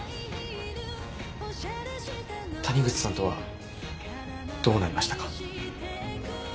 谷口さんとはどうなりましたか？